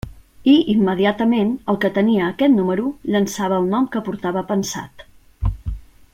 I immediatament el que tenia aquest número llançava el nom que portava pensat.